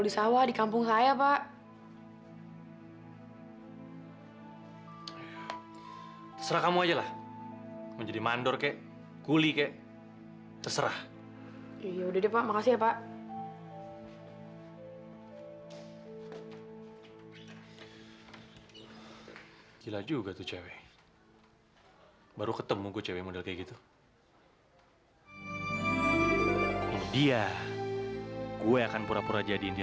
sampai jumpa di video selanjutnya